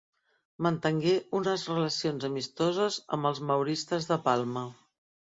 Mantengué unes relacions amistoses amb els mauristes de Palma.